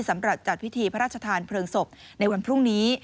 จัดพิธีพระราชทานเพลิงศพในวันพรุ่งนี้